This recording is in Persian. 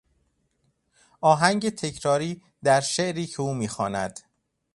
آهنگ تکراری در شعری که او میخواند.